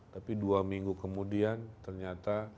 tapi dua minggu kemudian ternyata